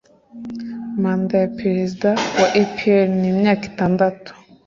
manda ya prezida wa epr ni imyaka itandatu